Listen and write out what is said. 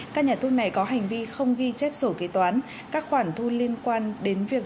các nhà thuốc này có hành vi không ghi chép sổ kế toán các khoản thu liên quan đến việc